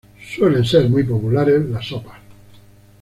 Suelen ser muy populares las sopas.